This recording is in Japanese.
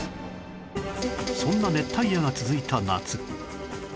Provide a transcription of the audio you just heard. そんな熱帯夜が続いた夏